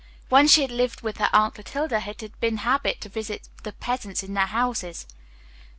When she had lived with her Aunt Clotilde it had been their habit to visit the peasants in their houses.